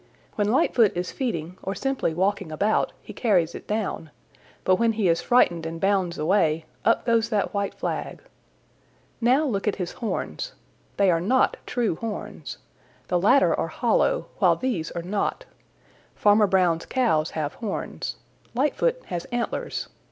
When Lightfoot is feeding or simply walking about he carries it down, but when he is frightened and bounds away, up goes that white flag. Now look at his horns. They are not true horns. The latter are hollow, while these are not. Farmer Brown's cows have horns. Lightfoot has antlers.